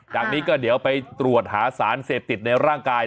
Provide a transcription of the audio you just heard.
อย่างนี้ก็เดี๋ยวไปตรวจหาสารเสพติดในร่างกาย